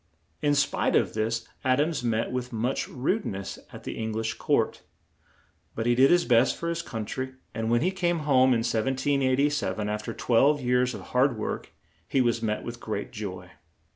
In spite of this, Ad ams met with much rude ness at the Eng lish court; but he did his best for his coun try, and when he came home in 1787, af ter twelve years of hard work, he was met with great joy.